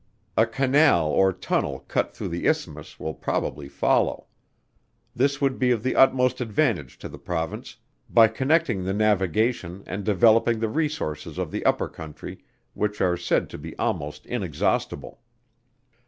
A canal or tunnel cut through the isthmus, will probably follow. This would be of the utmost advantage to the Province, by connecting the navigation and developing the resources of the upper country, which are said to be almost inexhaustible.